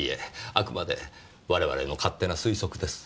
あくまで我々の勝手な推測です。